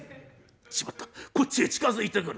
しまったこっちへ近づいてくる」。